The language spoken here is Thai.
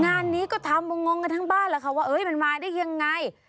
งานนี้ก็ทำงงกันทั้งบ้านแล้วค่ะว่ามันมาได้ยังไง